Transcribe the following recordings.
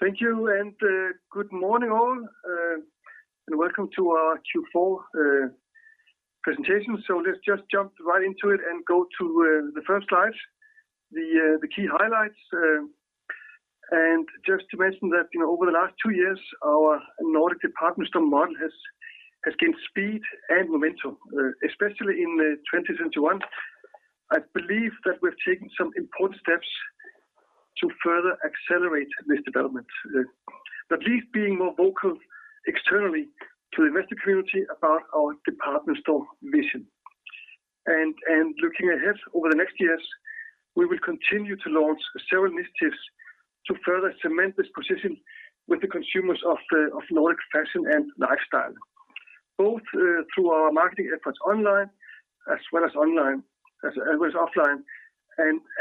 Thank you, good morning, all. Welcome to our Q4 presentation. Let's just jump right into it and go to the first slide. The key highlights. Just to mention that, you know, over the last two years, our Nordic department store model has gained speed and momentum, especially in 2021. I believe that we've taken some important steps to further accelerate this development. At least being more vocal externally to the investor community about our department store mission. Looking ahead over the next years, we will continue to launch several initiatives to further cement this position with the consumers of Nordic fashion and lifestyle, both through our marketing efforts online as well as offline,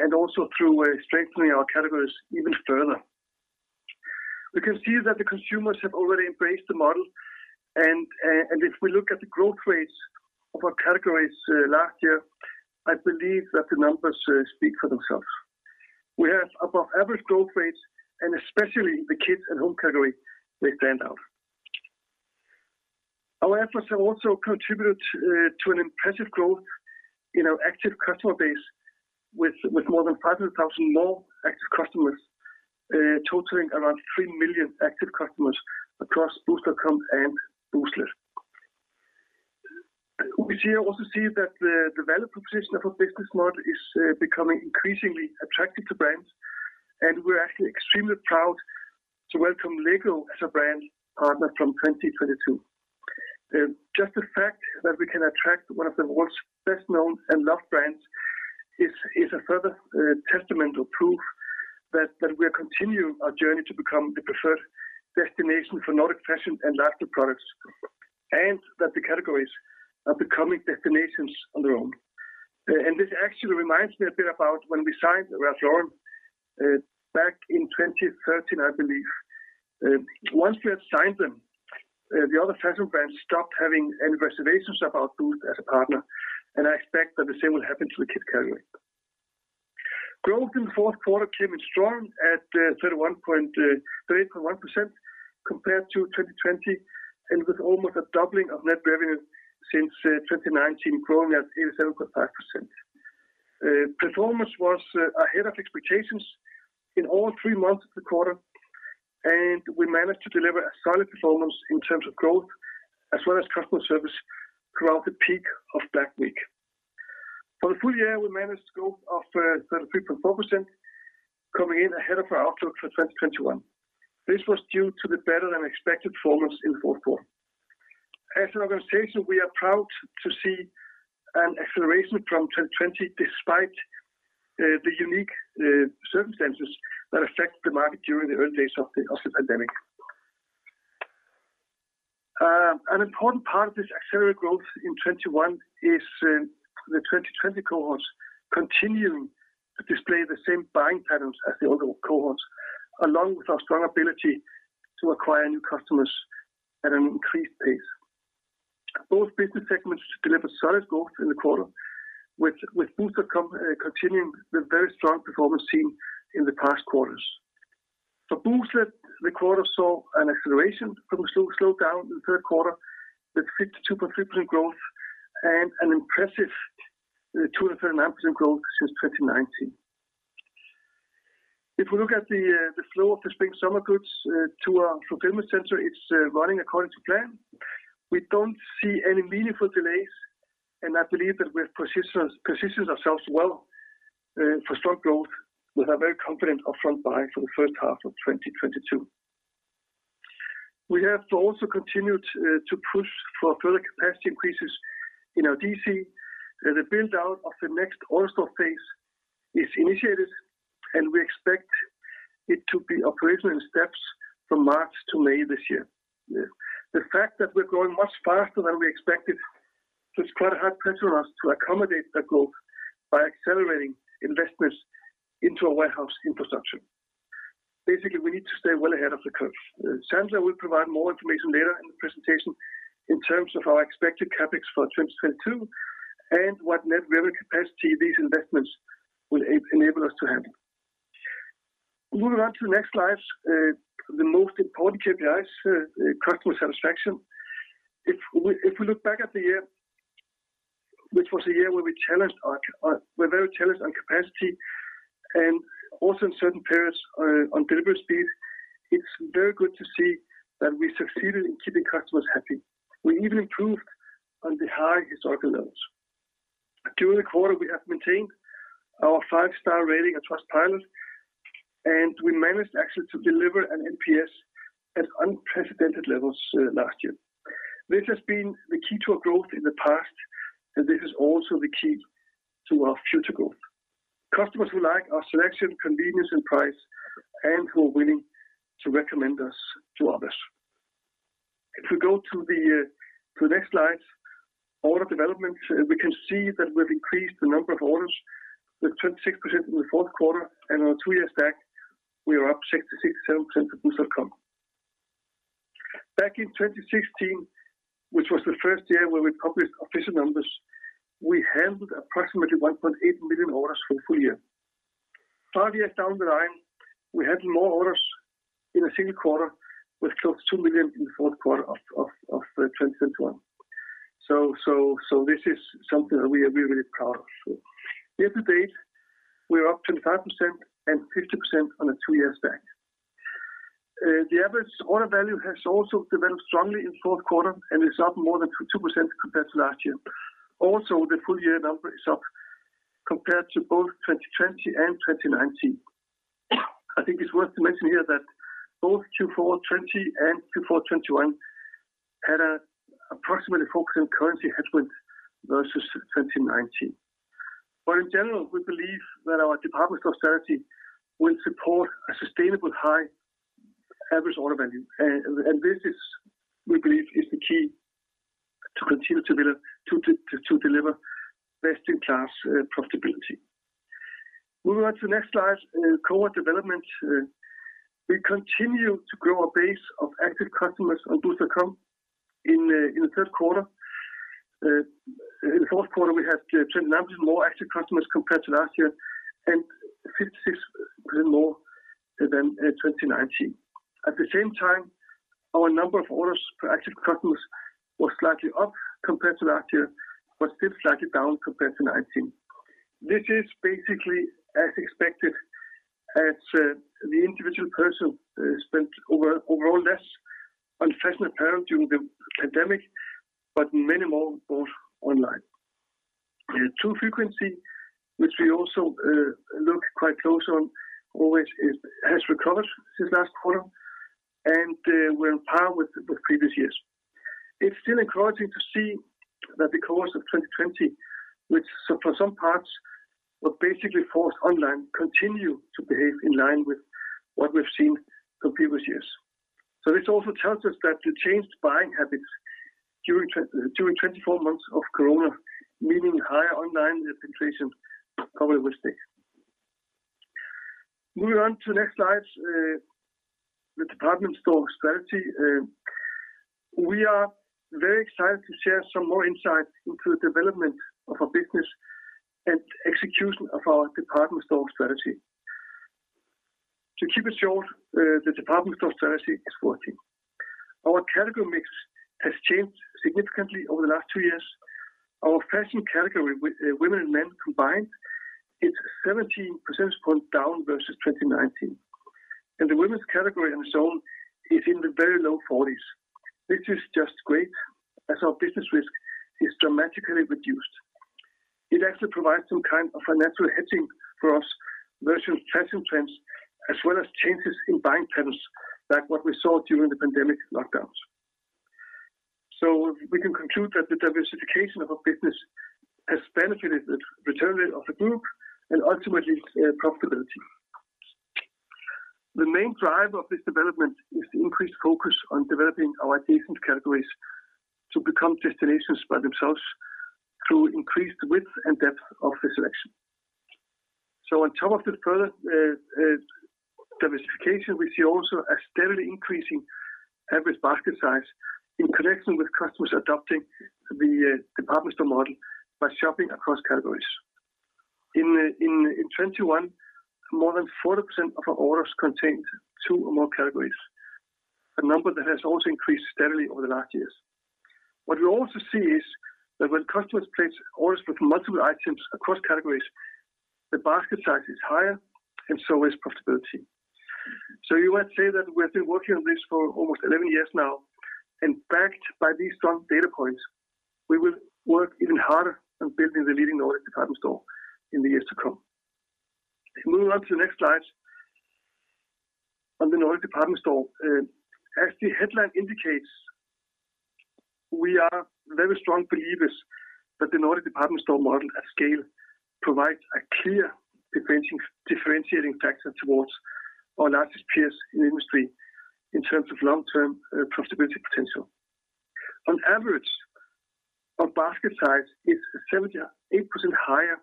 and also through strengthening our categories even further. We can see that the consumers have already embraced the model, and if we look at the growth rates of our categories last year, I believe that the numbers speak for themselves. We have above average growth rates, and especially the Kids and Home category, they stand out. Our efforts have also contributed to an impressive growth in our active customer base with more than 500,000 more active customers, totaling around 3 million active customers across boozt.com and Booztlet. We also see that the value proposition of our business model is becoming increasingly attractive to brands, and we're actually extremely proud to welcome LEGO as a brand partner from 2022. Just the fact that we can attract one of the world's best-known and loved brands is a further testament or proof that we are continuing our journey to become the preferred destination for Nordic fashion and lifestyle products, and that the categories are becoming destinations on their own. This actually reminds me a bit about when we signed Ralph Lauren back in 2013, I believe. Once we had signed them, the other fashion brands stopped having any reservations about Boozt as a partner, and I expect that the same will happen to the Kids category. Growth in the fourth quarter came in strong at 30.1% compared to 2020, and with almost a doubling of net revenue since 2019 growing at 87.5%. Performance was ahead of expectations in all three months of the quarter, and we managed to deliver a solid performance in terms of growth as well as customer service throughout the peak of Black Week. For the full year, we managed growth of 33.4%, coming in ahead of our outlook for 2021. This was due to the better than expected performance in the fourth quarter. As an organization, we are proud to see an acceleration from 2020 despite the unique circumstances that affected the market during the early days of the pandemic. An important part of this accelerated growth in 2021 is the 2020 cohorts continuing to display the same buying patterns as the older cohorts, along with our strong ability to acquire new customers at an increased pace. Both business segments delivered solid growth in the quarter with boozt.com continuing the very strong performance seen in the past quarters. For Booztlet, the quarter saw an acceleration from a slowdown in the third quarter with 52.3% growth and an impressive 239% growth since 2019. If we look at the flow of the spring/summer goods to our fulfillment center, it's running according to plan. We don't see any meaningful delays, and I believe that we've positioned ourselves well for strong growth with our very confident up-front buying for the first half of 2022. We have also continued to push for further capacity increases in our DC. The build-out of the next AutoStore phase is initiated, and we expect it to be operational in steps from March to May this year. The fact that we're growing much faster than we expected has put a hard pressure on us to accommodate that growth by accelerating investments into our warehouse infrastructure. Basically, we need to stay well ahead of the curve. Sandra will provide more information later in the presentation in terms of our expected CapEx for 2022 and what net revenue capacity these investments will enable us to have. Moving on to the next slide, the most important KPIs, customer satisfaction. If we look back at the year, which was a year where we're very challenged on capacity and also in certain periods on delivery speed, it's very good to see that we succeeded in keeping customers happy. We even improved on the high historical levels. During the quarter, we have maintained our five-star rating at Trustpilot, and we managed actually to deliver an NPS at unprecedented levels last year. This has been the key to our growth in the past, and this is also the key to our future growth. Customers who like our selection, convenience, and price and who are willing to recommend us to others. If we go to the next slide, order development, we can see that we've increased the number of orders with 26% in the fourth quarter and on a two-year stack, we are up 66.7% at boozt.com. Back in 2016, which was the first year where we published official numbers, we handled approximately 1.8 million orders for the full year. Five years down the line, we had more orders in a single quarter with close to 2 million in the fourth quarter of 2021. This is something that we are really proud of. Year-to-date, we're up 25% and 50% on a two years back. The average order value has also developed strongly in fourth quarter and is up more than 2% compared to last year. The full year number is up compared to both 2020 and 2019. I think it's worth mentioning here that both Q4 2020 and Q4 2021 had approximately 4% currency headwind versus 2019. In general, we believe that our department store strategy will support a sustainable high average order value. This is, we believe, the key to deliver best-in-class profitability. Moving on to the next slide. Cohort development. We continue to grow our base of active customers on boozt.com in the third quarter. In the fourth quarter, we had 29% more active customers compared to last year and 56% more than 2019. At the same time, our number of orders for active customers was slightly up compared to last year, but still slightly down compared to 2019. This is basically as expected as the individual person spent overall less on fashion apparel during the pandemic, but many more bought online. True frequency, which we also look quite close on always, has recovered since last quarter and we're on par with previous years. It's still encouraging to see that the cohorts of 2020, which for some parts were basically forced online, continue to behave in line with what we've seen from previous years. This also tells us that the changed buying habits during 24 months of COVID, meaning higher online penetration, probably will stay. Moving on to the next slide. The department store strategy. We are very excited to share some more insight into the development of our business and execution of our department store strategy. To keep it short, the department store strategy is working. Our category mix has changed significantly over the last two years. Our Fashion category with women and men combined is 17 percentage points down versus 2019. The women's category on its own is in the very low 40s, which is just great as our business risk is dramatically reduced. It actually provides some kind of financial hedging for us versus transient trends, as well as changes in buying patterns, like what we saw during the pandemic lockdowns. We can conclude that the diversification of our business has benefited the return of the group and ultimately profitability. The main driver of this development is the increased focus on developing our distinct categories to become destinations by themselves through increased width and depth of the selection. On top of this product diversification, we see also a steadily increasing average basket size in connection with customers adopting the department store model by shopping across categories. In 2021, more than 40% of our orders contained two or more categories, a number that has also increased steadily over the last years. What we also see is that when customers place orders with multiple items across categories, the basket size is higher, and so is profitability. You might say that we've been working on this for almost 11 years now, and backed by these strong data points, we will work even harder on building the leading Nordic department store in the years to come. Moving on to the next slide on the Nordic department store. As the headline indicates, we are very strong believers that the Nordic department store model at scale provides a clear differentiating factor towards our largest peers in the industry in terms of long-term profitability potential. On average, our basket size is 78% higher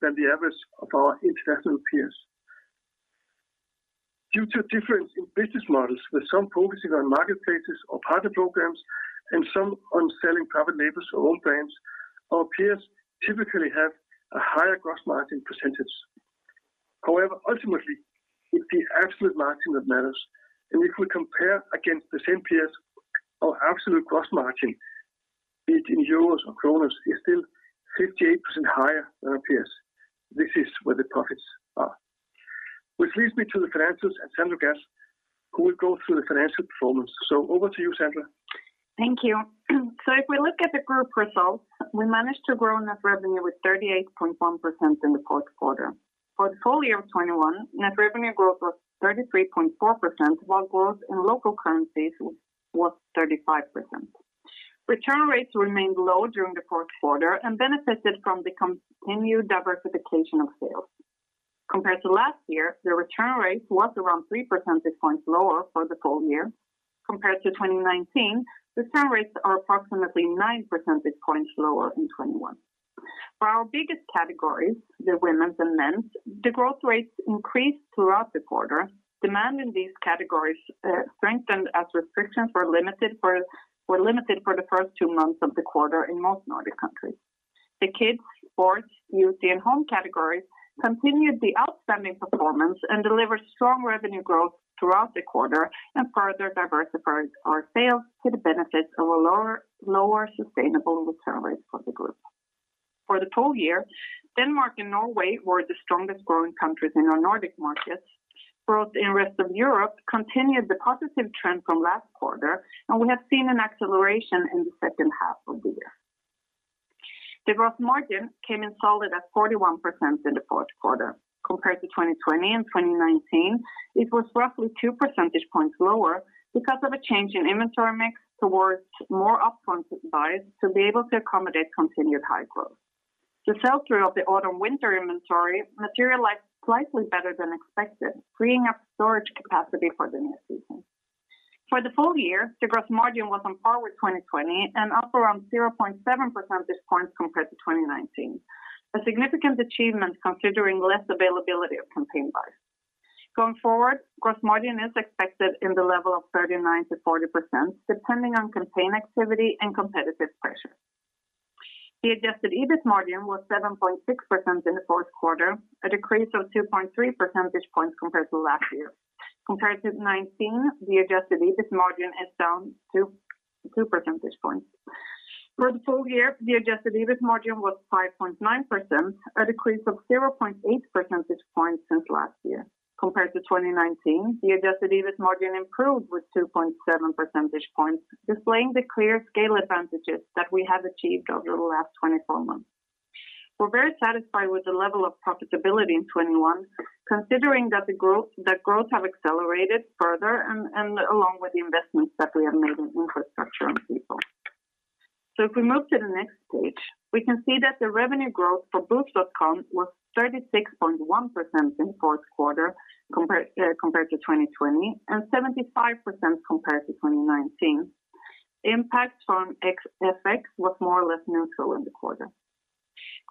than the average of our international peers. Due to difference in business models, with some focusing on marketplaces or partner programs and some on selling private labels or own brands, our peers typically have a higher gross margin percentage. However, ultimately, it's the absolute margin that matters. If we compare against the same peers, our absolute gross margin, be it in euros or kronas, is still 58% higher than our peers. This is where the profits are. Which leads me to the financials and Sandra Gadd, who will go through the financial performance. Over to you, Sandra. Thank you. If we look at the group results, we managed to grow net revenue with 38.1% in the fourth quarter. For the full year of 2021, net revenue growth was 33.4%, while growth in local currencies was 35%. Return rates remained low during the fourth quarter and benefited from the continued diversification of sales. Compared to last year, the return rate was around 3 percentage points lower for the full year. Compared to 2019, return rates are approximately 9 percentage points lower in 2021. For our biggest categories, the women's and men's, the growth rates increased throughout the quarter. Demand in these categories strengthened as restrictions were limited for the first two months of the quarter in most Nordic countries. The Kids, Sports, Beauty, and Home categories continued the outstanding performance and delivered strong revenue growth throughout the quarter and further diversified our sales to the benefit of a lower sustainable return rate for the group. For the full year, Denmark and Norway were the strongest growing countries in our Nordic markets. Growth in rest of Europe continued the positive trend from last quarter, and we have seen an acceleration in the second half of the year. The gross margin came in solid at 41% in the fourth quarter. Compared to 2020 and 2019, it was roughly 2 percentage points lower because of a change in inventory mix towards more up-front buys to be able to accommodate continued high growth. The sell-through of the autumn/winter inventory materialized slightly better than expected, freeing up storage capacity for the next season. For the full year, the growth margin was on par with 2020 and up around 0.7 percentage points compared to 2019. A significant achievement considering less availability of campaign buys. Going forward, growth margin is expected in the level of 39%-40%, depending on campaign activity and competitive pressure. The adjusted EBIT margin was 7.6% in the fourth quarter, a decrease of 2.3 percentage points compared to last year. Compared to 2019, the adjusted EBIT margin is down 2.2 percentage points. For the full year, the adjusted EBIT margin was 5.9%, a decrease of 0.8 percentage points since last year. Compared to 2019, the adjusted EBIT margin improved with 2.7 percentage points, displaying the clear scale advantages that we have achieved over the last 24 months. We're very satisfied with the level of profitability in 2021, considering that the growth have accelerated further and along with the investments that we have made in infrastructure and people. If we move to the next page, we can see that the revenue growth for boozt.com was 36.1% in fourth quarter compared to 2020 and 75% compared to 2019. Impact from FX was more or less neutral in the quarter.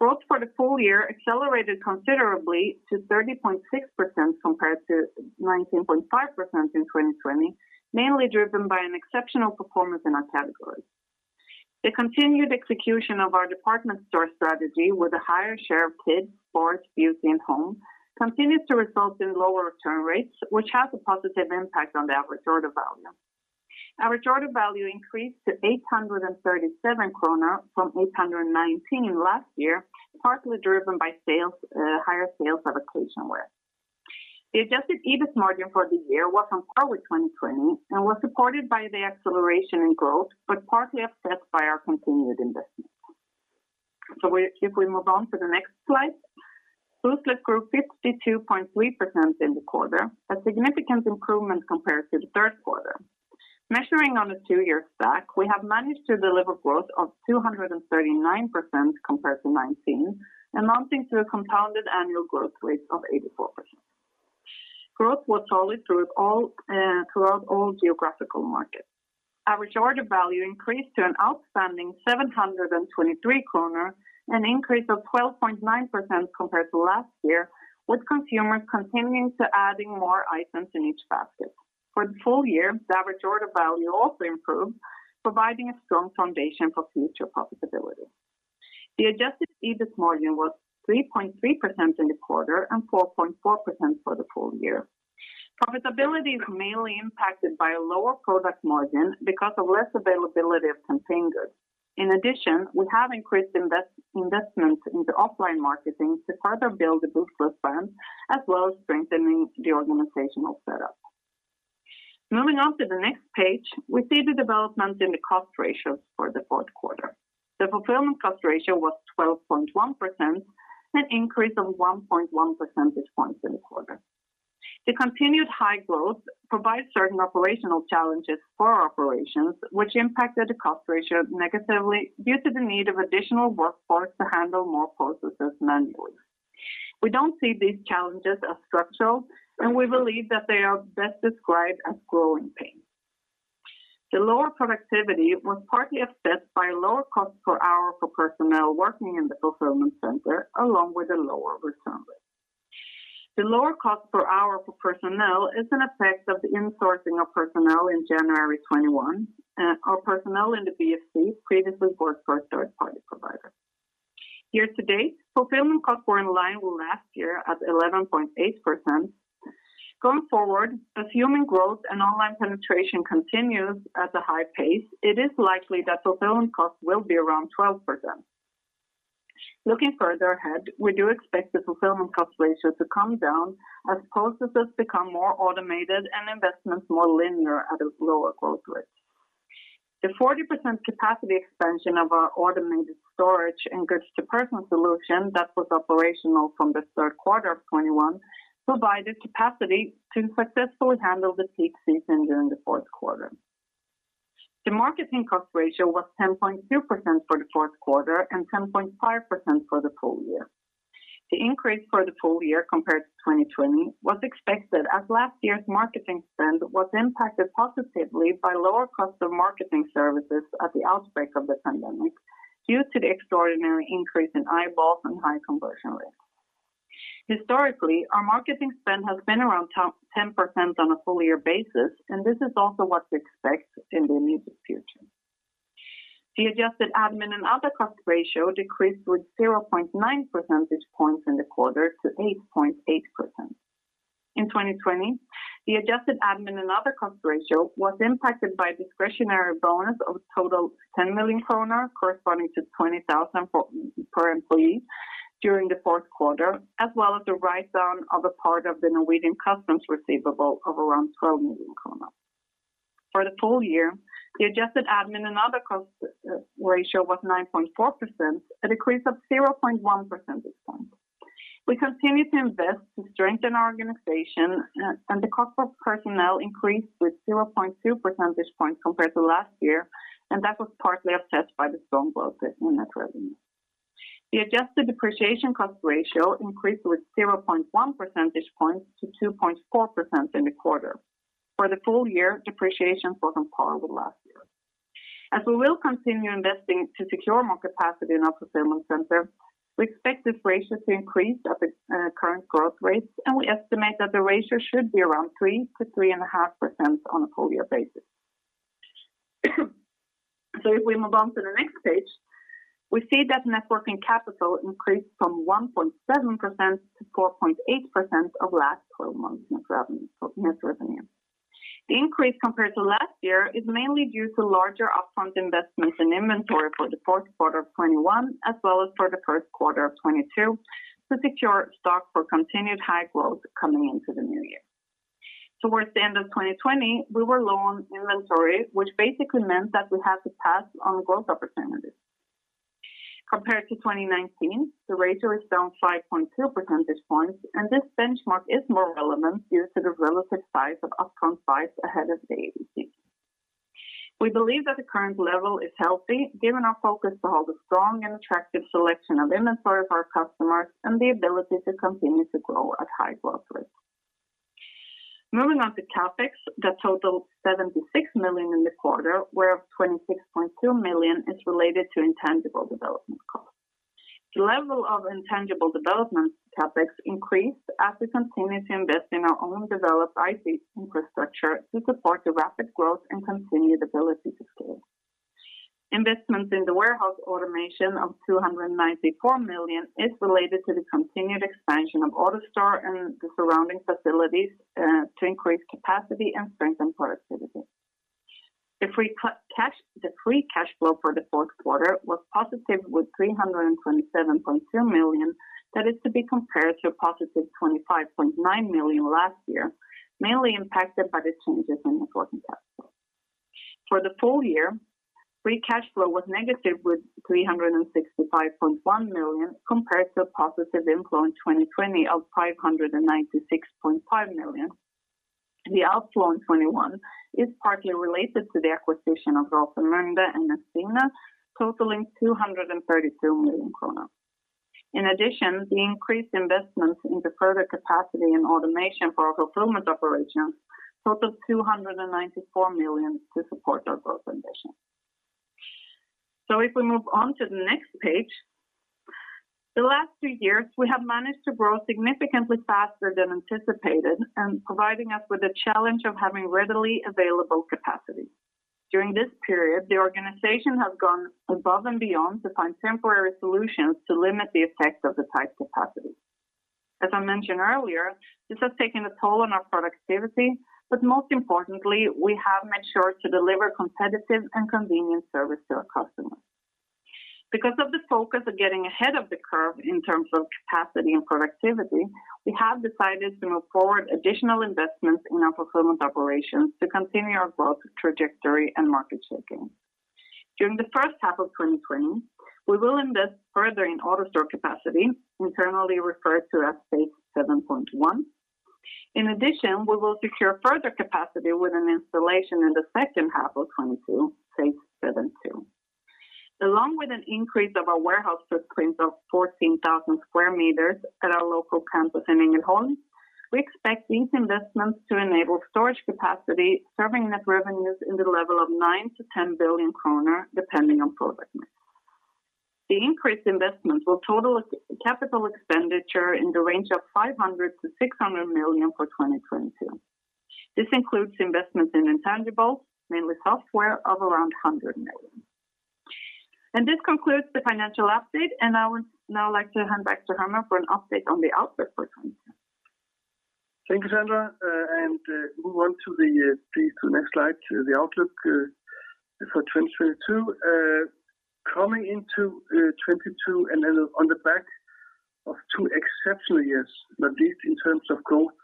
Growth for the full year accelerated considerably to 30.6% compared to 19.5% in 2020, mainly driven by an exceptional performance in our categories. The continued execution of our department store strategy with a higher share of Kids, sports, beauty, and home continues to result in lower return rates, which has a positive impact on the average order value. Our average order value increased to 837 kronor from 819 last year, partly driven by sales, higher sales of occasion wear. The adjusted EBIT margin for the year was on par with 2020 and was supported by the acceleration in growth, but partly offset by our continued investments. If we move on to the next slide. Booztlet grew 52.3% in the quarter, a significant improvement compared to the third quarter. Measuring on a two-year stack, we have managed to deliver growth of 239% compared to 2019, amounting to a compounded annual growth rate of 84%. Growth was solid through all, throughout all geographical markets. Our average order value increased to an outstanding 723 kronor, an increase of 12.9% compared to last year, with consumers continuing to add more items in each basket. For the full year, the average order value also improved, providing a strong foundation for future profitability. The adjusted EBIT margin was 3.3% in the quarter and 4.4% for the full year. Profitability was mainly impacted by a lower product margin because of less availability of campaign goods. In addition, we have increased investments into offline marketing to further build the Boozt brand, as well as strengthening the organizational setup. Moving on to the next page, we see the development in the cost ratios for the fourth quarter. The fulfillment cost ratio was 12.1%, an increase of 1.1 percentage points in the quarter. The continued high growth provides certain operational challenges for our operations, which impacted the cost ratio negatively due to the need of additional workforce to handle more processes manually. We don't see these challenges as structural, and we believe that they are best described as growing pains. The lower productivity was partly offset by lower cost per hour for personnel working in the fulfillment center, along with a lower return rate. The lower cost per hour for personnel is an effect of the insourcing of personnel in January 2021. Our personnel in the BFC previously worked for a third-party provider. Year-to-date, fulfillment costs were in line with last year at 11.8%. Going forward, as e-com growth and online penetration continues at a high pace, it is likely that fulfillment costs will be around 12%. Looking further ahead, we do expect the fulfillment cost ratio to come down as processes become more automated and investments more linear at a lower growth rate. The 40% capacity expansion of our automated storage and goods-to-person solution that was operational from the third quarter of 2021 provided capacity to successfully handle the peak season during the fourth quarter. The marketing cost ratio was 10.2% for the fourth quarter and 10.5% for the full year. The increase for the full year compared to 2020 was expected as last year's marketing spend was impacted positively by lower cost of marketing services at the outbreak of the pandemic due to the extraordinary increase in eyeballs and high conversion rates. Historically, our marketing spend has been around 10% on a full year basis, and this is also what to expect in the immediate future. The adjusted admin and other cost ratio decreased with 0.9 percentage points in the quarter to 8.8%. In 2020, the adjusted admin and other cost ratio was impacted by discretionary bonus of total 10 million kronor, corresponding to 20,000 per employee during the fourth quarter, as well as the write down of a part of the Norwegian customs receivable of around 12 million kronor. For the full year, the adjusted admin and other cost ratio was 9.4%, a decrease of 0.1% this time. We continue to invest to strengthen our organization, and the cost of personnel increased with 0.2 percentage points compared to last year, and that was partly offset by the strong growth in net revenue. The adjusted depreciation cost ratio increased with 0.1 percentage points to 2.4% in the quarter. For the full year, depreciation was on par with last year. As we will continue investing to secure more capacity in our fulfillment center, we expect this ratio to increase at its current growth rates, and we estimate that the ratio should be around 3%-3.5% on a full year basis. If we move on to the next page, we see that net working capital increased from 1.7% to 4.8% of last twelve months net revenue. The increase compared to last year is mainly due to larger upfront investments in inventory for the fourth quarter of 2021 as well as for the first quarter of 2022 to secure stock for continued high growth coming into the new year. Towards the end of 2020, we were low on inventory, which basically meant that we had to pass on growth opportunities. Compared to 2019, the ratio is down 5.2 percentage points, and this benchmark is more relevant due to the relative size of upfront buys ahead of the ABC. We believe that the current level is healthy, given our focus to hold a strong and attractive selection of inventory for our customers and the ability to continue to grow at high growth rates. Moving on to CapEx, that totaled 76 million in the quarter, whereof 26.2 million is related to intangible development costs. The level of intangible development CapEx increased as we continue to invest in our own developed IT infrastructure to support the rapid growth and continued ability to scale. Investments in the warehouse automation of 294 million is related to the continued expansion of AutoStore and the surrounding facilities, to increase capacity and strengthen productivity. The free cash flow for the fourth quarter was positive with 327.2 million. That is to be compared to a positive 25.9 million last year, mainly impacted by the changes in working capital. For the full year, free cash flow was negative with 365.1 million compared to a positive inflow in 2020 of 596.5 million. The outflow in 2021 is partly related to the acquisition of Rosemunde and Svea, totaling 232 million. In addition, the increased investments into further capacity and automation for our fulfillment operations totaled 294 million to support our growth ambitions. If we move on to the next page. The last two years, we have managed to grow significantly faster than anticipated and providing us with the challenge of having readily available capacity. During this period, the organization has gone above and beyond to find temporary solutions to limit the effects of the tight capacity. As I mentioned earlier, this has taken a toll on our productivity, but most importantly, we have made sure to deliver competitive and convenient service to our customers. Because of the focus of getting ahead of the curve in terms of capacity and productivity, we have decided to move forward additional investments in our fulfillment operations to continue our growth trajectory and market share. During the first half of 2020, we will invest further in AutoStore capacity, internally referred to as Phase 7.1. In addition, we will secure further capacity with an installation in the second half of 2022, Phase 7.2. Along with an increase of our warehouse footprint of 14,000 sq m at our local campus in Ängelholm, we expect these investments to enable storage capacity serving net revenues in the level of 9 billion-10 billion kronor, depending on product mix. The increased investment will total a capital expenditure in the range of 500 million-600 million for 2022. This includes investments in intangibles, mainly software, of around 100 million. This concludes the financial update, and I would now like to hand back to Hermann for an update on the outlook for 2022. Thank you, Sandra. Please move on to the next slide for the outlook for 2022. Coming into 2022 on the back of two exceptional years, not least in terms of growth,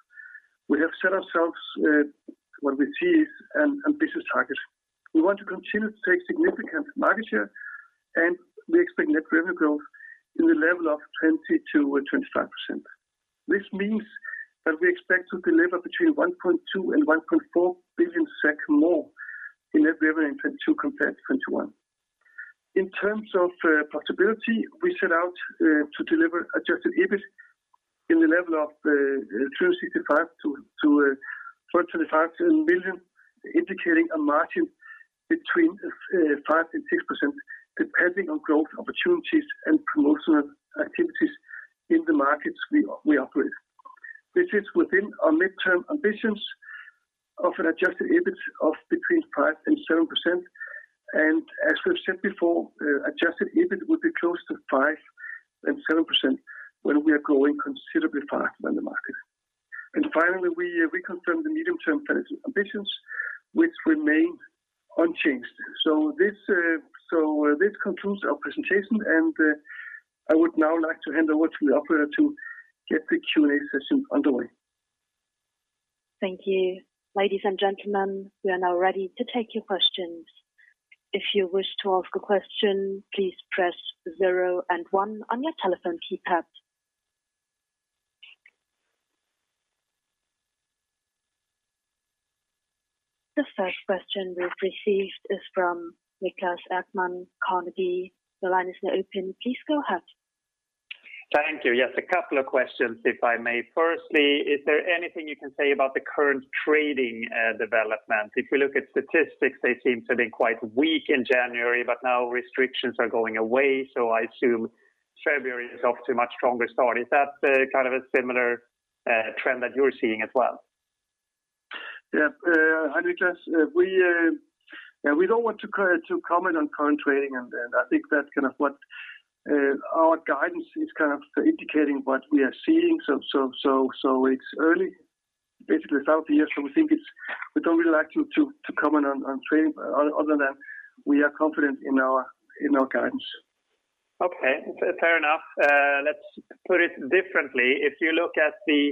we have set ourselves what we see as an ambitious target. We want to continue to take significant market share, and we expect net revenue growth in the level of 20%-25%. This means that we expect to deliver between 1.2 billion and 1.4 billion SEK more in net revenue in 2022 compared to 2021. In terms of profitability, we set out to deliver adjusted EBIT in the level of 265 million to 325 million, indicating a margin between 5% and 6% depending on growth opportunities and promotional activities in the markets we operate. This is within our midterm ambitions of an adjusted EBIT of between 5% and 7%. As we've said before, adjusted EBIT will be close to 5% and 7% when we are growing considerably faster than the market. Finally, we confirm the medium-term plans ambitions which remain unchanged. This concludes our presentation, and I would now like to hand over to the operator to get the Q&A session underway. Thank you. Ladies and gentlemen, we are now ready to take your questions. If you wish to ask a question, please press zero and one on your telephone keypad. The first question we've received is from Niklas Ekman, Carnegie. The line is now open. Please go ahead. Thank you. Yes, a couple of questions, if I may. Firstly, is there anything you can say about the current trading development? If we look at statistics, they seem to be quite weak in January, but now restrictions are going away, so I assume February is off to a much stronger start. Is that kind of a similar trend that you're seeing as well? Yeah. Hi, Niklas. We don't want to comment on current trading, and I think that's kind of what our guidance is kind of indicating what we are seeing. So it's early, basically the start of the year, so we think it's early. We don't really like to comment on trading other than we are confident in our guidance. Okay. Fair enough. Let's put it differently. If you look at the,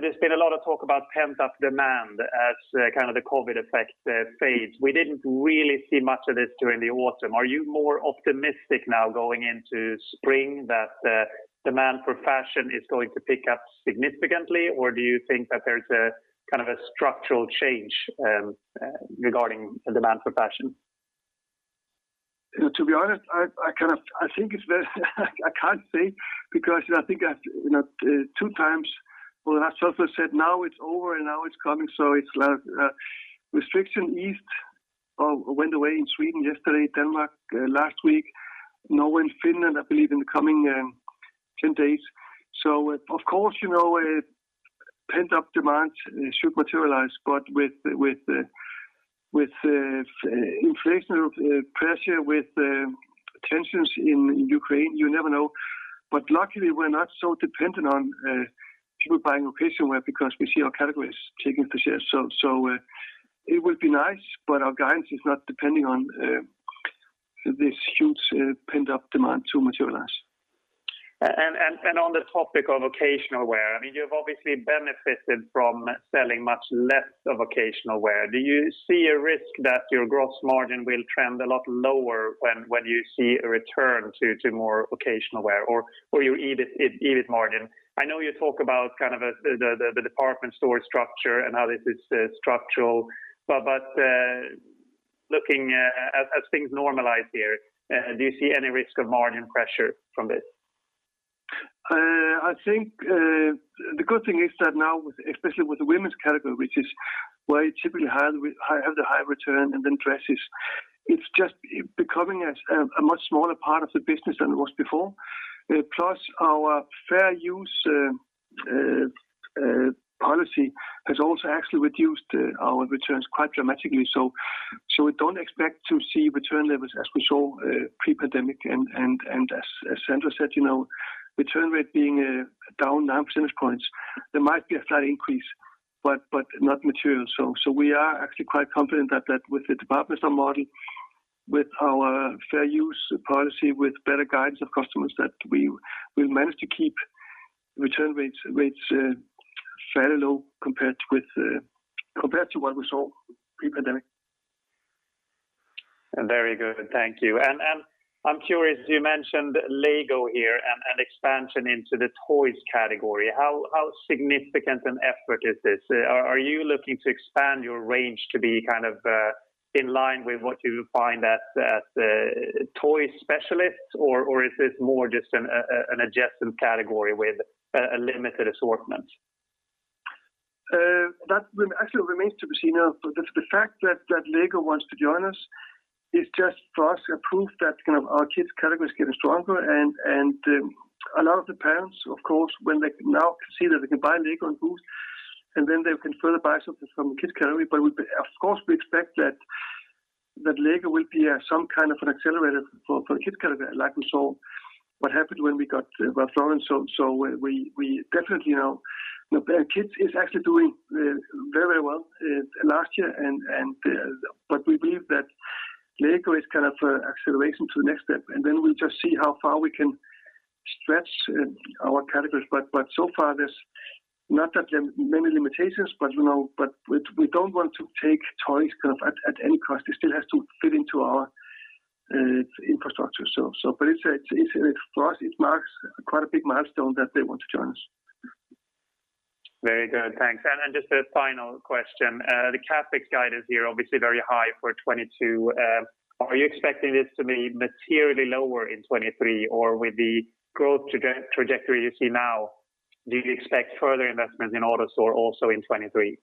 there's been a lot of talk about pent-up demand as, kind of the COVID effect, fades. We didn't really see much of this during the autumn. Are you more optimistic now going into spring that, demand for fashion is going to pick up significantly? Or do you think that there's a kind of a structural change, regarding the demand for fashion? To be honest, I kind of think it's very. I can't say because I think I've you know two times or as Sandra said, now it's over and now it's coming, so it's like restriction eased or went away in Sweden yesterday, Denmark last week. Now in Finland, I believe in the coming 10 days. So, of course, you know pent-up demand should materialize. With inflation pressure, with tensions in Ukraine, you never know. Luckily, we're not so dependent on people buying occasional wear because we see our categories taking the shares. It would be nice, but our guidance is not depending on this huge pent-up demand to materialize. On the topic of occasional wear, I mean, you have obviously benefited from selling much less of occasional wear. Do you see a risk that your gross margin will trend a lot lower when you see a return to more occasional wear or your EBIT margin? I know you talk about kind of the department store structure and how this is structural. Looking as things normalize here, do you see any risk of margin pressure from this? I think the good thing is that now with especially with the women's category, which is where you typically have the high return and then dresses, it's just becoming a much smaller part of the business than it was before. Plus our Fair Use policy has also actually reduced our returns quite dramatically. So we don't expect to see return levels as we saw pre-pandemic. As Sandra said, you know, return rate being down 9 percentage points, there might be a slight increase, but not material. So we are actually quite confident that with the department store model, with our Fair Use policy, with better guidance of customers, that we'll manage to keep return rates fairly low compared to what we saw pre-pandemic. Very good. Thank you. I'm curious. You mentioned LEGO here and expansion into the toys category. How significant an effort is this? Are you looking to expand your range to be kind of in line with what you find at toy specialists, or is this more just an adjacent category with a limited assortment? That actually remains to be seen. But the fact that LEGO wants to join us is just for us a proof that kind of our Kids category is getting stronger. A lot of the parents, of course, when they now see that they can buy LEGO and Boozt, and then they can further buy something from Kids category. But we of course expect that LEGO will be some kind of an accelerator for the Kids category like we saw what happened when we got Ralph Lauren. We definitely now. You know, Kids is actually doing very well last year and but we believe that LEGO is kind of an acceleration to the next step, and then we'll just see how far we can stretch our categories. So far there's not that many limitations, but you know, we don't want to take toys kind of at any cost. It still has to fit into our infrastructure. It's for us, it marks quite a big milestone that they want to join us. Just a final question. The CapEx guide is here obviously very high for 2022. Are you expecting this to be materially lower in 2023 or with the growth trajectory you see now, do you expect further investments in Autostore also in 2023?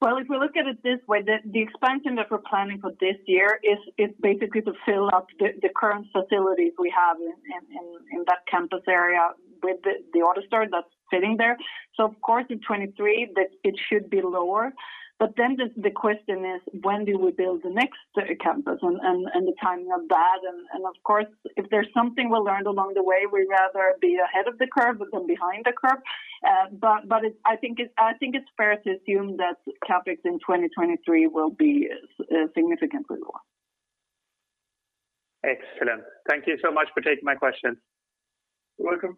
Well, if we look at it this way, the expansion that we're planning for this year is basically to fill up the current facilities we have in that campus area with the Autostore that's sitting there. So, of course in 2023, it should be lower. The question is when do we build the next campus and the timing of that. And of course, if there's something we learned along the way, we'd rather be ahead of the curve than behind the curve. But I think it's fair to assume that CapEx in 2023 will be significantly lower. Excellent. Thank you so much for taking my questions. You're welcome.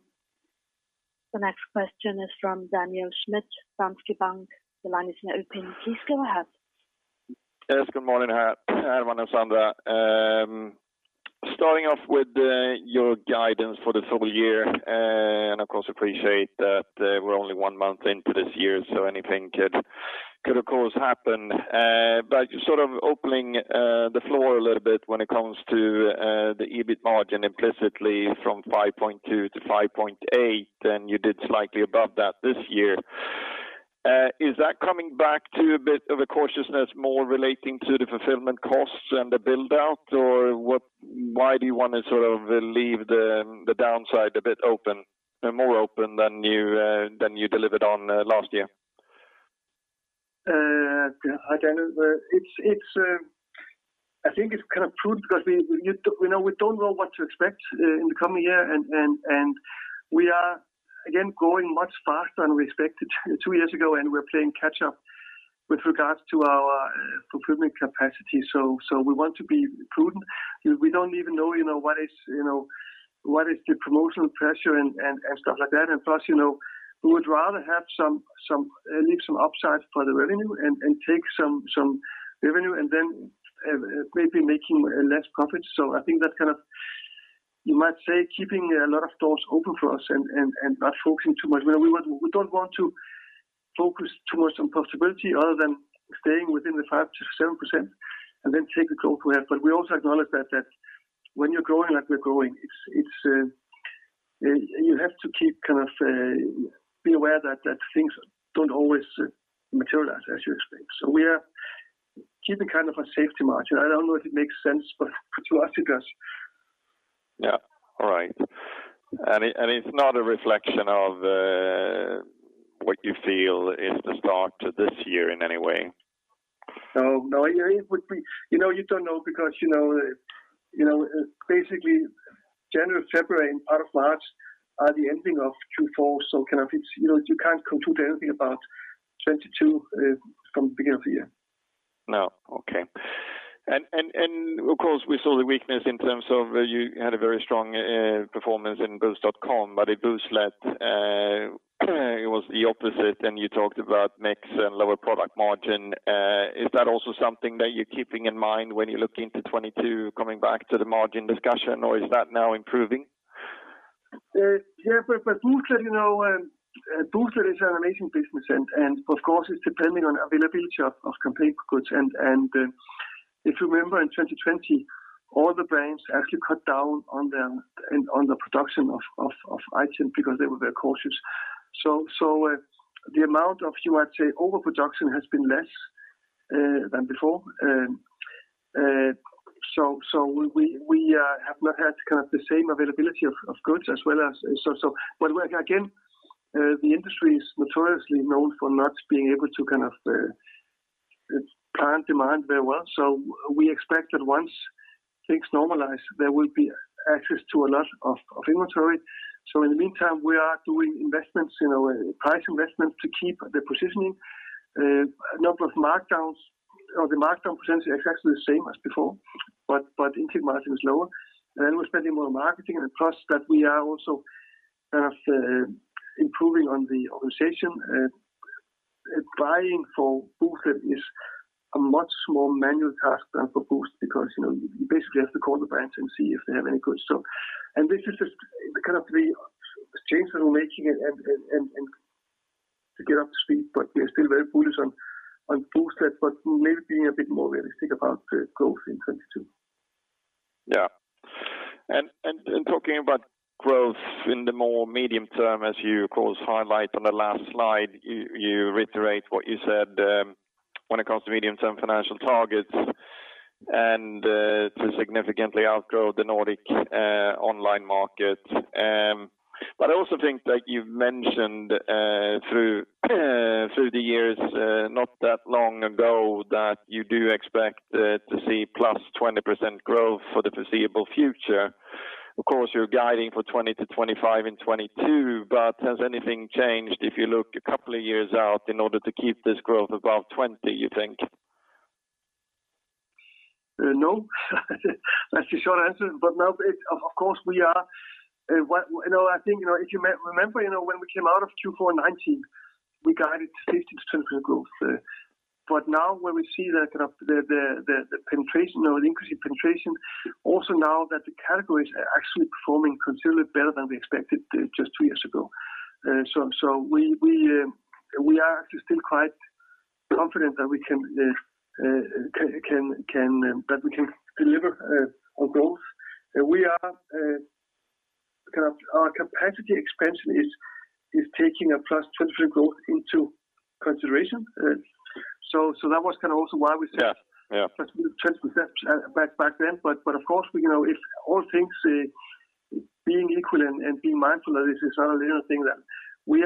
The next question is from Daniel Schmidt, Danske Bank. The line is now open. Please go ahead. Yes. Good morning, Hermann and Sandra. Starting off with your guidance for the total year, and of course I appreciate that, we're only one month into this year, so anything could of course happen. Sort of opening the floor a little bit when it comes to the EBIT margin implicitly from 5.2% to 5.8%, then you did slightly above that this year. Is that coming back to a bit of a cautiousness more relating to the fulfillment costs and the build out, or why do you wanna sort of leave the downside a bit open, more open than you delivered on last year? I don't know. I think it's kind of prudent because we, you know, we don't know what to expect in the coming year and we are again growing much faster than we expected two years ago, and we're playing catch up with regards to our fulfillment capacity. We want to be prudent. We don't even know, you know, what is the promotional pressure and stuff like that. Plus, you know, we would rather have some leave some upside for the revenue and take some revenue and then maybe making less profit. I think that's kind of, you might say, keeping a lot of doors open for us and not focusing too much where we want. We don't want to focus too much on possibility other than staying within the 5%-7% and then take the growth we have. We also acknowledge that when you're growing like we're growing, it's you have to keep kind of be aware that things don't always materialize as you expect. We are keeping kind of a safety margin. I don't know if it makes sense, but to us it does. Yeah. All right. It's not a reflection of what you feel is the start to this year in any way? No. It would be. You know, you don't know because you know, basically January, February and part of March are the ending of Q4, so kind of it's, you know, you can't conclude anything about 2022 from the beginning of the year. No. Okay. Of course, we saw the weakness in terms of, you had a very strong performance in boozt.com, but in Booztlet, it was the opposite, and you talked about mix and lower product margin. Is that also something that you're keeping in mind when you look into 2022 coming back to the margin discussion, or is that now improving? Booztlet you know, Booztlet is an amazing business and of course, it's depending on availability of complete goods. If you remember in 2020, all the brands actually cut down on the production of items because they were very cautious. So, the amount of you would say overproduction has been less than before. So, we have not had the same availability of goods as well as. But we again, the industry is notoriously known for not being able to plan demand very well. So, we expect that once things normalize, there will be access to a lot of inventory. In the meantime, we are doing investments, you know, price investments to keep the positioning, number of markdowns or the markdown potentially exactly the same as before, but intake margin is lower. We're spending more marketing and plus that we are also kind of improving on the organization. Buying for Booztlet is a much more manual task than for Boozt because, you know, you basically have to call the brand and see if they have any goods. And this is just the kind of the change that we're making and to get up to speed. But we're still very bullish on Booztlet, but maybe being a bit more realistic about growth in 2022. Yeah. Talking about growth in the more medium term, as you of course highlight on the last slide, you reiterate what you said when it comes to medium-term financial targets and to significantly outgrow the Nordic online market. I also think that you've mentioned through the years, not that long ago, that you do expect to see plus 20% growth for the foreseeable future. Of course, you're guiding for 20%-25% in 2022, but has anything changed if you look a couple of years out in order to keep this growth above 20%, you think? No. That's the short answer. Of course we are. You know, I think, you know, if you remember, you know, when we came out of Q4 2019. We guided 50%, 20% growth. Now when we see kind of the penetration or the increasing penetration also now that the categories are actually performing considerably better than we expected just two years ago. So we are actually still quite confident that we can deliver our growth. We are kind of our capacity expansion is taking a +20% growth into consideration. So that was kind of also why we said- Yeah, yeah. +20% back then. Of course we know if all things being equal and being mindful that this is another thing that we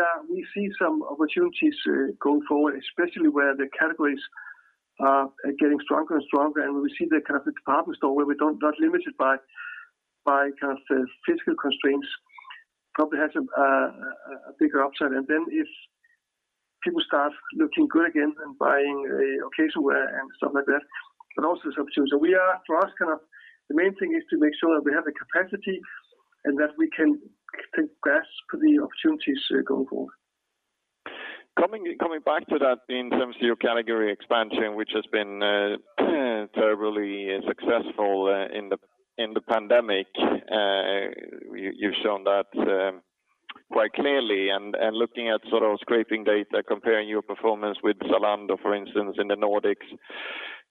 see some opportunities going forward, especially where the categories are getting stronger and stronger, and we see the kind of department store where not limited by kind of physical constraints probably has a bigger upside. If people start looking good again and buying occasional wear and stuff like that, but also some shoes. So we are, for us, the main thing is to make sure that we have the capacity and that we can grasp the opportunities going forward. Coming back to that in terms of your category expansion, which has been terribly successful in the pandemic, you've shown that quite clearly and looking at sort of scraping data, comparing your performance with Zalando, for instance, in the Nordics,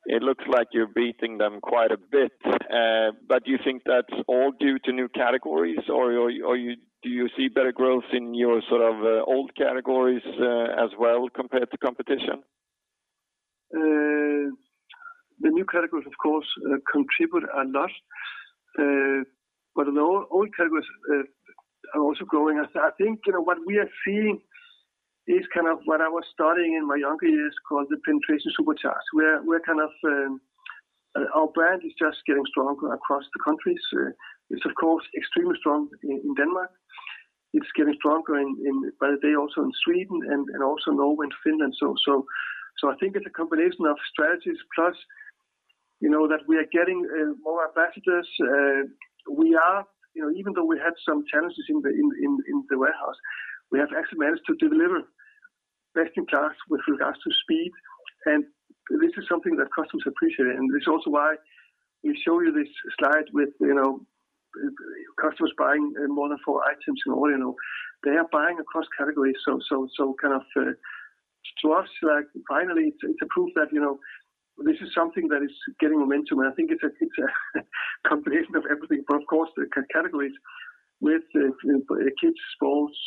it looks like you're beating them quite a bit. Do you think that's all due to new categories or you see better growth in your sort of old categories as well compared to competition? The new categories of course contribute a lot. But the old categories are also growing. I think, you know, what we are seeing is kind of what I was studying in my younger years, called the penetration supercharge, where we're kind of our brand is just getting stronger across the countries. It's of course extremely strong in Denmark. It's getting stronger by the day, also in Sweden and also Norway and Finland. So I think it's a combination of strategies plus, you know, that we are getting more ambassadors. We are, you know, even though we had some challenges in the warehouse, we have actually managed to deliver best in class with regards to speed. This is something that customers appreciate. It's also why we show you this slide with, you know, customers buying more than four items in order. You know, they are buying across categories. Kind of to us, like finally it's a proof that, you know, this is something that is gaining momentum. I think it's a combination of everything. Of course the categories with Kids, Sports,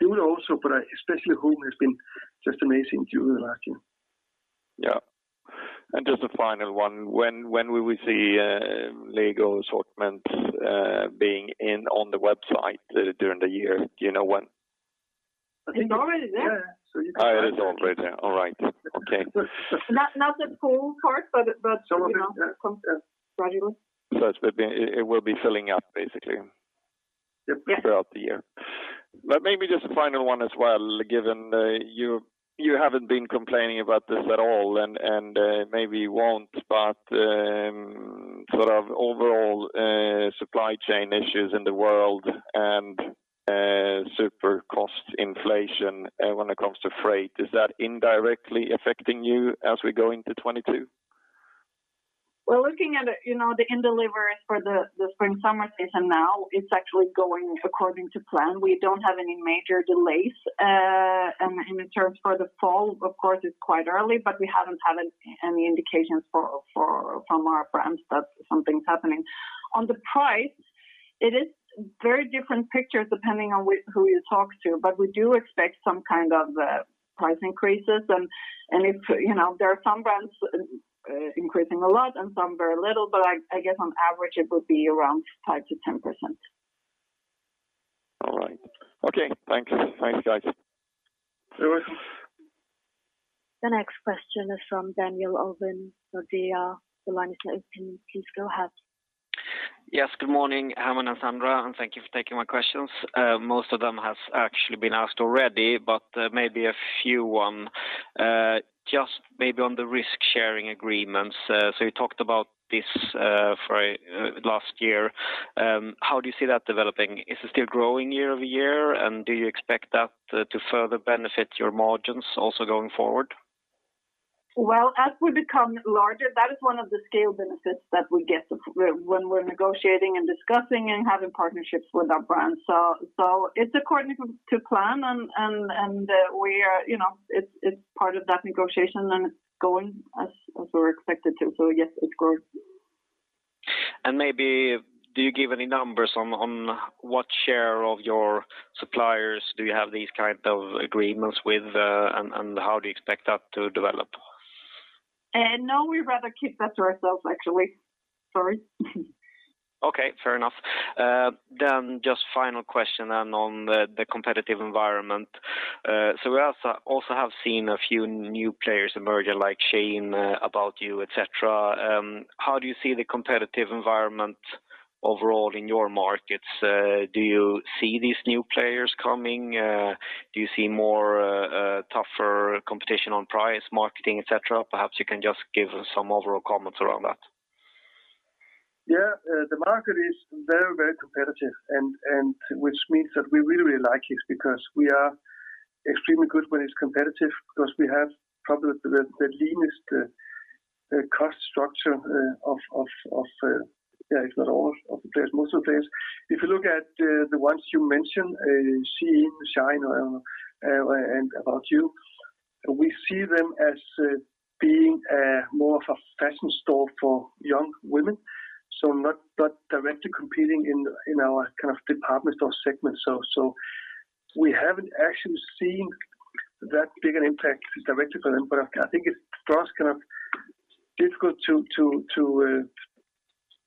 Adult also, but especially Home has been just amazing during the last year. Yeah. Just a final one. When will we see LEGO assortment being in on the website during the year? Do you know when? It's already there. Oh, it is already there. All right. Okay. Not the full part, but you know, comes gradually. It will be filling up basically. Yep Throughout the year. Maybe just a final one as well, given you haven't been complaining about this at all and maybe you won't, but sort of overall supply chain issues in the world and super cost inflation when it comes to freight, is that indirectly affecting you as we go into 2022? Well, looking at, you know, the in deliveries for the spring summer season now it's actually going according to plan. We don't have any major delays. In terms of the fall, of course it's quite early, but we haven't had any indications for from our brands that something's happening. On the price it is very different pictures depending on who you talk to. We do expect some kind of price increases and if, you know, there are some brands increasing a lot and some very little, but I guess on average it would be around 5%-10%. All right. Okay, thanks. Thanks, guys. You're welcome. The next question is from Daniel Ovin of Nordea. The line is open. Please go ahead. Yes, good morning, Hermann and Sandra, and thank you for taking my questions. Most of them have actually been asked already, but maybe a follow-up just on the risk sharing agreements. You talked about this for last year. How do you see that developing? Is it still growing year-over-year? And do you expect that to further benefit your margins also going forward? Well, as we become larger, that is one of the scale benefits that we get when we're negotiating and discussing and having partnerships with our brands. It's according to plan and we are, you know, it's part of that negotiation and it's going as we were expected to. Yes, it's growing. Maybe do you give any numbers on what share of your suppliers do you have these kind of agreements with? How do you expect that to develop? No, we'd rather keep that to ourselves actually. Sorry. Okay, fair enough. Just final question on the competitive environment. We also have seen a few new players emerging like SHEIN, ABOUT YOU, et cetera. How do you see the competitive environment overall in your markets? Do you see these new players coming? Do you see more tougher competition on price marketing, et cetera? Perhaps you can just give some overall comments around that. The market is very competitive, which means that we really like it because we are extremely good when it's competitive because we have probably the leanest cost structure of, if not all of the players, most of the players. If you look at the ones you mentioned, SHEIN, Shine and ABOUT YOU, we see them as being more of a fashion store for young women, so not directly competing in our kind of department store segment. We haven't actually seen that big an impact directly from them. I think it's for us kind of difficult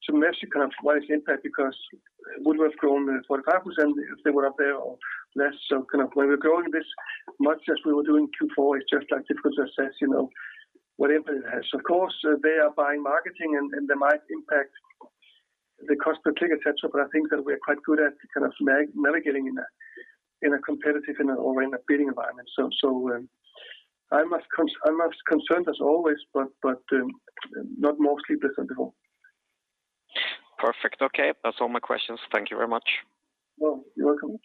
to measure kind of what is the impact because would we have grown 45% if they were not there or less? Kind of when we're growing this much as we were doing in Q4, it's just like difficult to assess, you know, what impact it has. Of course, they are buying marketing and they might impact the cost per click, et cetera, but I think that we are quite good at kind of navigating in a competitive and/or in a bidding environment. I'm as concerned as always, but not more sleepless than before. Perfect. Okay. That's all my questions. Thank you very much. You're welcome.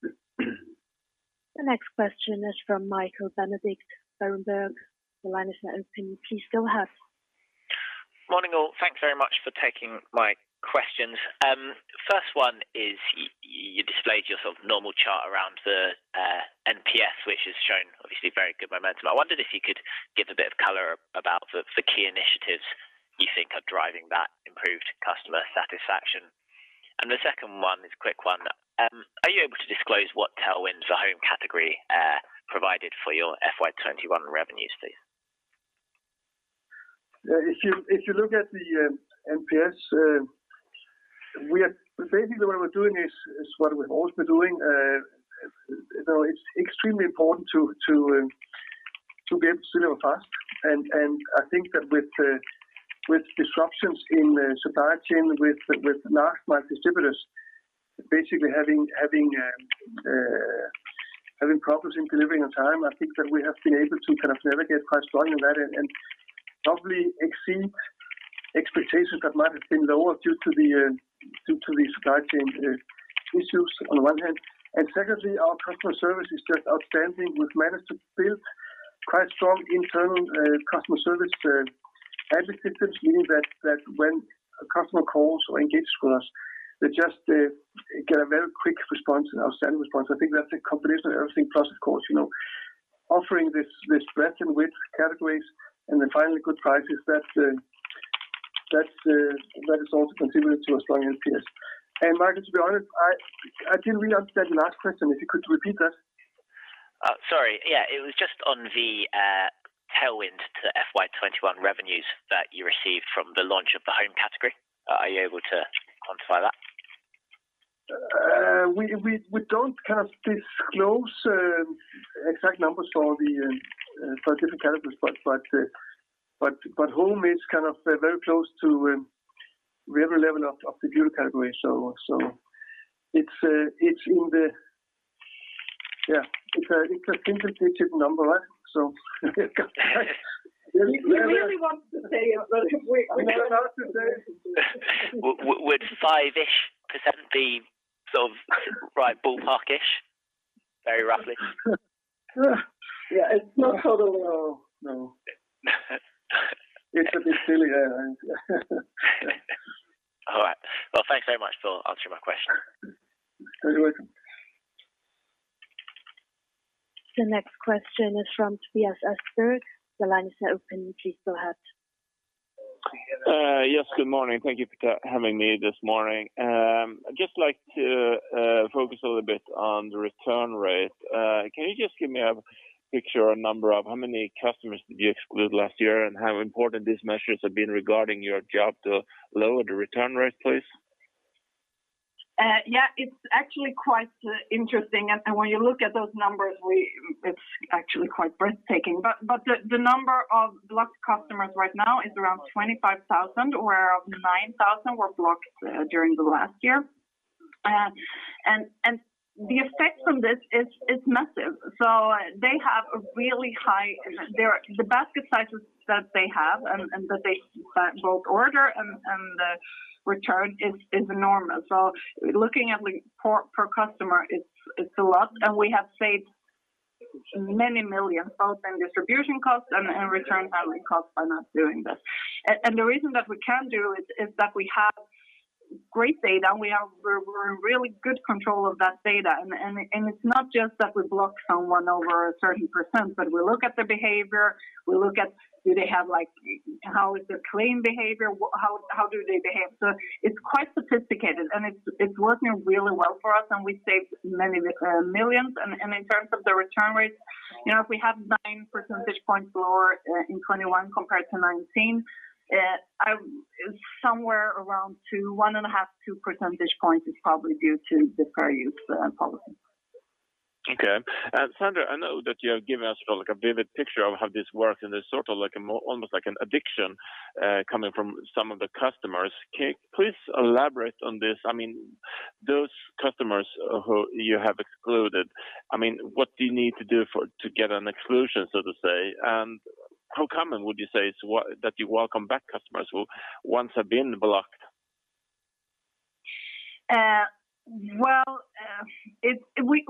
The next question is from Michael Benedict, Berenberg. The line is now open. Please go ahead. Morning all. Thanks very much for taking my questions. And first one is you displayed your sort of normal chart around the NPS, which has shown obviously very good momentum. I wondered if you could give a bit of color about the key initiatives you think are driving that improved customer satisfaction. The second one is a quick one. Are you able to disclose what tailwind the Home category provided for your FY 2021 revenues, please? Yeah, if you look at the NPS, basically what we're doing is what we've always been doing. You know, it's extremely important to be able to deliver fast. I think that with disruptions in the supply chain, with large market distributors basically having problems in delivering on time, I think that we have been able to kind of navigate quite strongly in that and probably exceed expectations that might have been lower due to the supply chain issues on the one hand. Secondly, our customer service is just outstanding. We've managed to build quite strong internal customer service advocate systems, meaning that when a customer calls or engages with us, they just get a very quick response, an outstanding response. I think that's a combination of everything. Plus, of course, you know, offering this breadth and width categories and then finally good prices, that is also contributing to a strong NPS. Michael, to be honest, I didn't really understand the last question. If you could repeat that. Oh, sorry. Yeah. It was just on the tailwind to FY 2021 revenues that you received from the launch of the Home category. Are you able to quantify that? We can't disclose exact numbers for different categories, but home is kind of very close to revenue level of the Beauty category. So it's a significant number. We really want to say it, but we We're not to say. Would 5-ish% be sort of right ballpark-ish? Very roughly. Yeah. It's not totally wrong, no. It would be silly, yeah. All right. Well, thanks very much for answering my question. You're welcome. The next question is from Tobias Eskmark. The line is now open. Please go ahead. Yes, good morning. Thank you for having me this morning. I'd just like to focus a little bit on the return rate. Can you just give me a picture or a number of how many customers did you exclude last year and how important these measures have been regarding your job to lower the return rate, please? Yeah. It's actually quite interesting. When you look at those numbers, it's actually quite breathtaking. But the number of blocked customers right now is around 25,000, of which 9,000 were blocked during the last year. The effect from this is massive. They have a really high basket size. The basket sizes that they have and that they both order and return is enormous. So looking at like per customer, it's a lot. We have saved many millions costs, both in distribution costs and in return handling costs by not doing this. The reason that we can do it is that we have great data, and we're in really good control of that data. It's not just that we block someone over a certain percent, but we look at their behavior, we look at do they have like, how is their claim behavior, how do they behave. So, it's quite sophisticated, and it's working really well for us, and we saved many millions. In terms of the return rates, you know, if we have 9 percentage points lower in 2021 compared to 2019, somewhere around 2, 1.5, 2 percentage points is probably due to the Fair use policy. Okay. Sandra, I know that you have given us like a vivid picture of how this works, and there's sort of like a more almost like an addiction coming from some of the customers. Can you please elaborate on this? Those customers who you have excluded, I mean, what do you need to do to get an exclusion, so to say? How common would you say is that you welcome back customers who once have been blocked?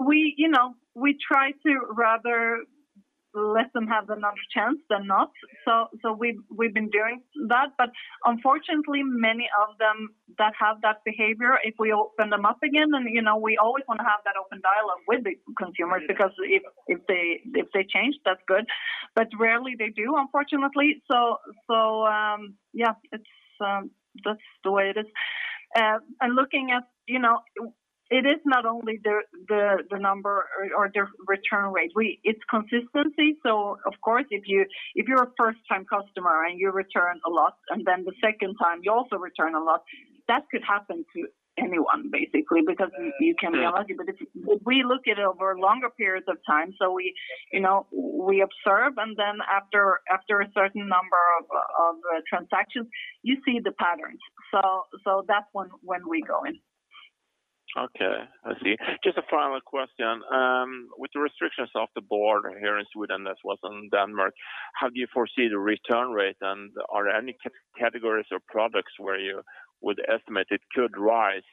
We, you know, we try to rather let them have another chance than not. So, we've been doing that, but unfortunately many of them that have that behavior, if we open them up again, and you know we always wanna have that open dialogue with the consumers because if they change that's good, but rarely they do, unfortunately. So, yeah, that's the way it is. Looking at, you know, it is not only the number or the return rate. It's consistency. So, of course if you're a first time customer and you return a lot, and then the second time you also return a lot, that could happen to anyone basically, because you can be lucky. If we look at it over longer periods of time, so we, you know, we observe and then after a certain number of transactions, you see the patterns. So, that's when we go in. Okay. I see. Just a final question. With the restrictions off the board here in Sweden, as well as in Denmark, how do you foresee the return rate and are there any categories or products where you would estimate it could rise,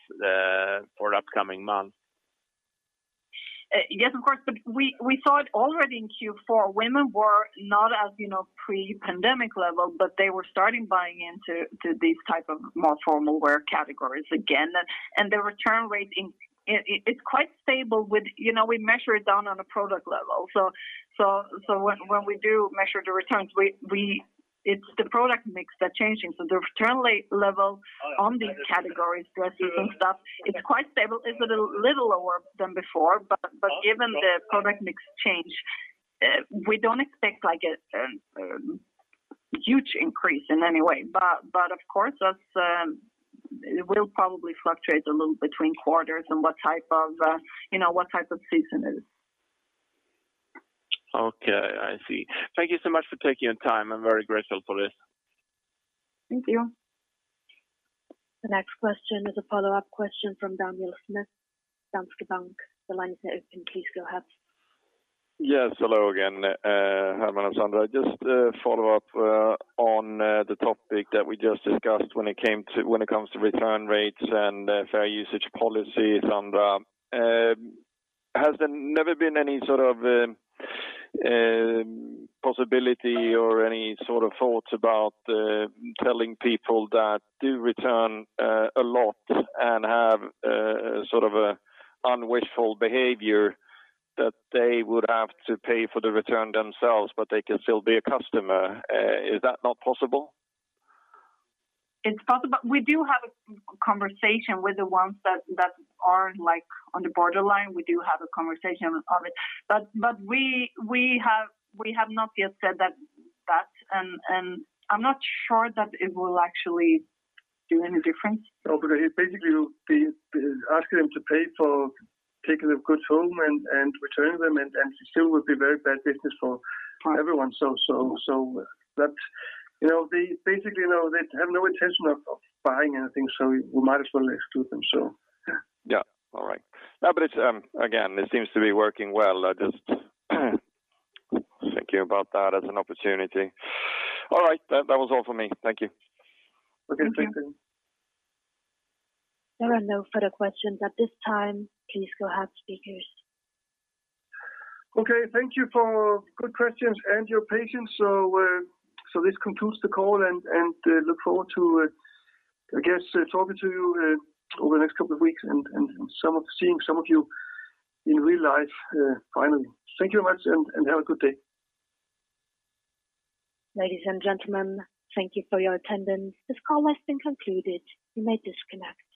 for the upcoming months? Yes, of course. We saw it already in Q4. Women were not as, you know, pre-pandemic level, but they were starting buying into to these type of more formal wear categories again. The return rate. It's quite stable with, you know, we measure it down on a product level. When we do measure the returns, it's the product mix that changing. The return rate level on these categories, dresses and stuff, it's quite stable. It's a little lower than before but given the product mix change, we don't expect like a huge increase in any way. Of course that's it will probably fluctuate a little between quarters and what type of, you know, what type of season it is. Okay, I see. Thank you so much for taking your time. I'm very grateful for this. Thank you. The next question is a follow-up question from Daniel Schmidt, Danske Bank. The line is open. Please go ahead. Yes. Hello again, Hermann and Sandra. Just a follow-up on the topic that we just discussed when it comes to return rates and Fair Use policies and has there never been any sort of possibility or any sort of thoughts about telling people that do return a lot and have sort of a unwishful behavior that they would have to pay for the return themselves, but they can still be a customer? Is that not possible? It's possible. We do have a conversation with the ones that are like on the borderline. We do have a conversation of it, but we have not yet said that and I'm not sure that it will actually do any difference. No, but basically you'll be asking them to pay for taking the goods home and returning them and still would be very bad business for everyone. So, that's, you know, they basically, you know, they have no intention of buying anything, so we might as well exclude them, so yeah. Yeah. All right. No, it's, again, it seems to be working well. I'm just thinking about that as an opportunity. All right. That was all for me. Thank you. Okay. Thank you. Thank you. There are no further questions at this time. Please go ahead speakers. Okay. Thank you for good questions and your patience. This concludes the call and look forward to I guess talking to you over the next couple of weeks and seeing some of you in real life finally. Thank you very much and have a good day. Ladies and gentlemen, thank you for your attendance. This call has been concluded. You may disconnect.